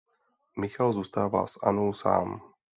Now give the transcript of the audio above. Michal zůstává s Annou sám.